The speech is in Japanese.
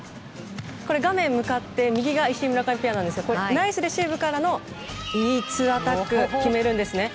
画面向かって右が石井・村上ペアですがナイスレシーブからのいいツーアタックを決めるんですね。